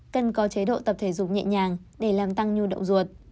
cần có chế độ tập thể dục nhẹ nhàng để làm tăng nhu động ruột